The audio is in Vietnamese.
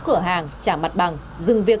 cửa hàng trả mặt bằng dừng việc